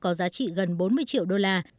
có giá trị gần bốn mươi triệu đô la